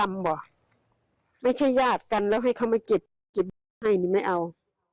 ไม่ใช่ญาติกันแล้วให้เขามาเก็บให้นึกไม่เอา